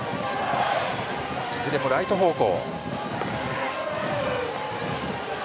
いずれもライト方向。